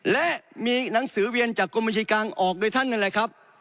และมีหนังสือเวียนจากกรมบัญชีกลางออกโดยท่านนั่นแหละครับ